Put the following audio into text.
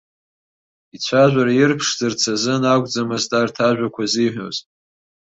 Ицәажәара ирԥшӡарц азын акәӡамызт арҭ ажәақәа зиҳәоз.